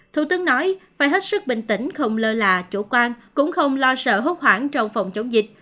thủ tướng nói phải hết sức bình tĩnh không lơ là chủ quan cũng không lo sợ hốt hoảng trong phòng chống dịch